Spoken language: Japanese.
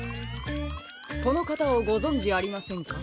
このかたをごぞんじありませんか？